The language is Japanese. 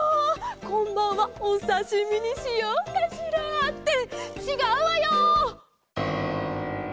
こんばんはおさしみにしようかしら？ってちがうわよ！